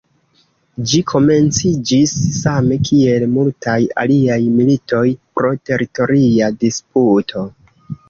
Ĝi komenciĝis same kiel multaj aliaj militoj, pro teritoria disputo.